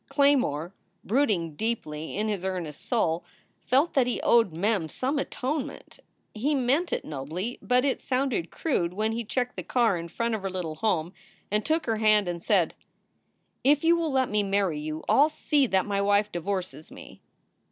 Claymore, brooding deeply in his earnest soul, felt that he owed Mem some atonement. He meant it nobly, but it sounded crude when he checked the car in front of her little home and took her hand and said : "If you will let me marry you, I ll see that my wife divorces me."